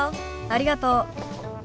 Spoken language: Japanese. ありがとう。